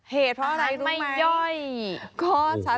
เหตุเพราะอะไรรู้ไหมอาหารไม่ย่อย